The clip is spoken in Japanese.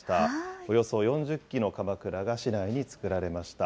およそ４０基のかまくらが市内に作られました。